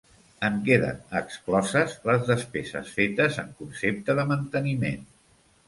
En queden excloses les despeses fetes en concepte de manteniment.